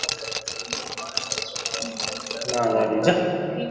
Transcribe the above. কখনো ভুলে যেও না যে তুমি কে আর কোত্থেকে এসেছ।